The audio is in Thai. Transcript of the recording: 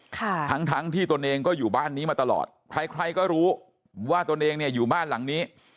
ทั้งทั้งที่ตนเองก็อยู่บ้านนี้มาตลอดใครใครก็รู้ว่าตนเองเนี่ยอยู่บ้านหลังนี้